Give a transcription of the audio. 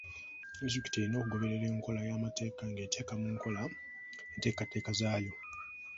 Disitulikiti erina okugoberera enkola y'amateeka ng'eteeka mu nkola enteekateeka zaayo.